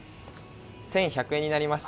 １１００円になります